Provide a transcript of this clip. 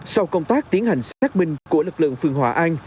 sau công tác tiến hành xác minh của lực lượng phương hòa an